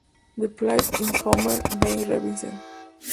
The plan is however being revised.